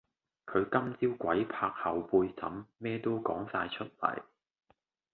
佢今朝鬼拍後背枕咩都講哂出黎